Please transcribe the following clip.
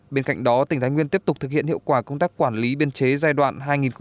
bên cạnh đó tỉnh thái nguyên tiếp tục thực hiện hiệu quả công tác quản lý biên chế giai đoạn